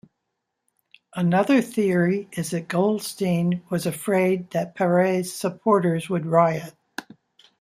Another theory is that Goldstein was afraid that Paret's supporters would riot.